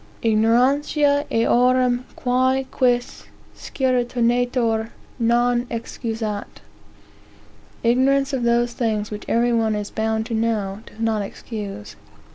"Ignorantia eorum,, quae quis scire tenetur non excusat." (Ignorance of those things which every one is bound to know, does not excuse.)